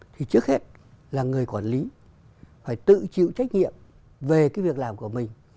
thì trước hết là người quản lý phải tự chịu trách nhiệm về cái việc làm của mình